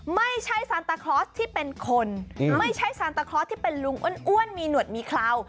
ไม่ใช่ซานตาคลอสที่เป็นคนไม่ใช่ซานตาคลอสที่เป็นลุงอ้วนมีหนวดมีเคลา